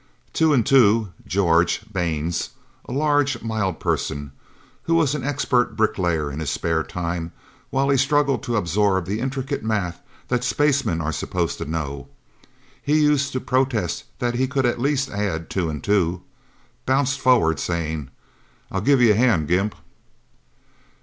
Two and Two (George) Baines, a large, mild person who was an expert bricklayer in his spare time, while he struggled to absorb the intricate math that spacemen are supposed to know he used to protest that he could at least add two and two bounced forward, saying, "I'll give yuh a hand, Gimp."